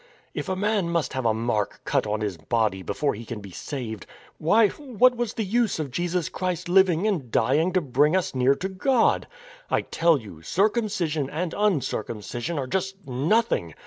If a man must have a mark cut on his body before he can be saved — why, what was the use of Jesus Christ Hving and dying to bring us near to God? I tell you, circumcision and uncircum cision are just nothing.